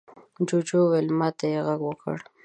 جوجو وويل: ما ته يې غږ وکړ.